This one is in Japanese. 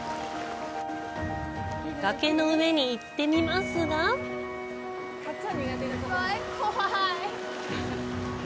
崖の上に行ってみますがすごい怖い。